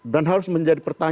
dan harus menjadi perwakilanan